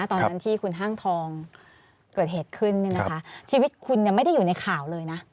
ตอนนั้นที่คุณห้างทองเกิดเหตุขึ้นเนี่ยนะคะชีวิตคุณไม่ได้อยู่ในข่าวเลยนะ